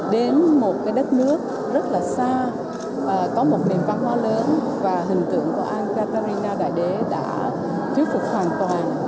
đến một cái đất nước rất là xa có một nền văn hóa lớn và hình tượng của an catarina đại đế đã thuyết phục hoàn toàn